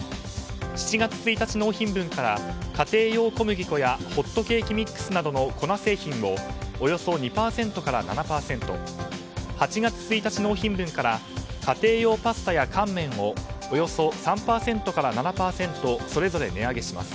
７月１日納品分から家庭用小麦粉やホットケーキミックスなどの粉製品をおよそ２％から７％８月１日納品分から家庭用パスタや乾麺をおよそ３％から７％それぞれ値上げします。